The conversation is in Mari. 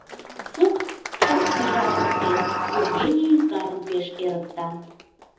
Фукс чылт пӱжалт пытен, вӱргене ӱзгарым пеш эрыкта.